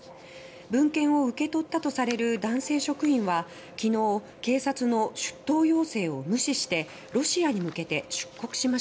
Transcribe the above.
文献を受け取ったとされる男性職員は、きのう警察の出頭要請を無視してロシアに向けて出国しました。